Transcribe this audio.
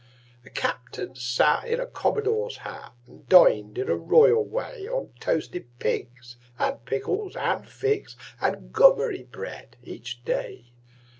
The captain sat in a commodore's hat And dined, in a royal way, On toasted pigs and pickles and figs And gummery bread, each day.